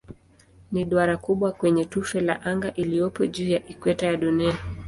Ni duara kubwa kwenye tufe la anga iliyopo juu ya ikweta ya Dunia.